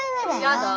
やだ。